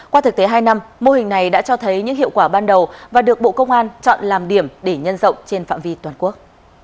qua thực tế hai năm mô hình này đã cho thấy những hiệu quả ban đầu và được bộ công an chọn làm điểm để nhân rộng trên phạm vi toàn quốc